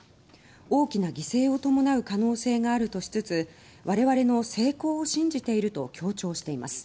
大きな犠牲を伴う可能性があるとしつつ我々の成功を信じていると強調しています。